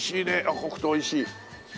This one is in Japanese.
濃くておいしい。